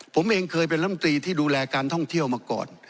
ผมเองเคยเป็นลำตรีที่ดูแลการท่องเที่ยวมาก่อน